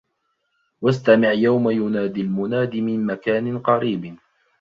وَاستَمِع يَومَ يُنادِ المُنادِ مِن مَكانٍ قَريبٍ